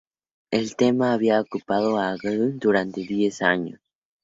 El tema había ocupado a Gounod durante diez años.